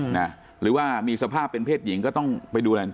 หรือว่ามีสภาพเป็นเพศหญิงก็ต้องไปดูแล